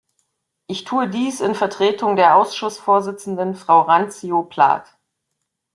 Ich tue dies in Vertretung der Ausschussvorsitzenden, Frau Randzio-Plath.